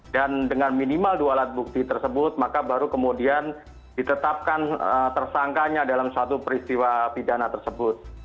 dan dengan minimal dua alat bukti tersebut maka baru kemudian ditetapkan tersangkanya dalam suatu peristiwa pidana tersebut